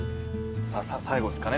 さあ最後ですかね